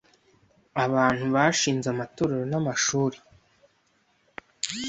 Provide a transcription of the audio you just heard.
Abantu bashinze amatorero n'amashuri